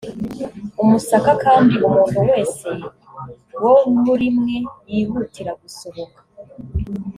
umusaka kandi umuntu wese wo muri mwe yihutira gusohoka